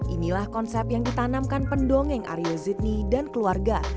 inilah konsep yang ditanamkan pendongeng aryo zidni dan keluarga